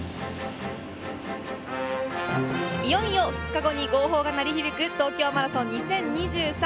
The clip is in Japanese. いよいよ２日後に号砲が鳴り響く東京マラソン２０２３。